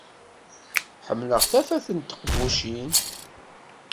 Ḥemmleɣ tafat n teqbucin.